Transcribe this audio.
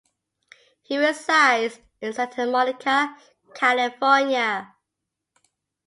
He resides in Santa Monica, California.